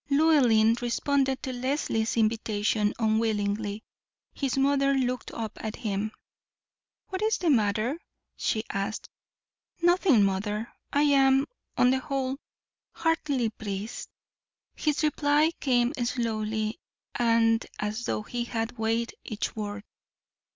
Llewellyn responded to Leslie's invitation unwillingly. His mother looked up at him. "What is the matter?" she asked. "Nothing, mother. I am, on the whole, heartily pleased." His reply came slowly, and as though he had weighed each word.